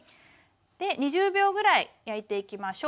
２０秒ぐらい焼いていきましょう。